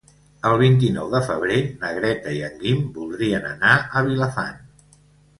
El vint-i-nou de febrer na Greta i en Guim voldrien anar a Vilafant.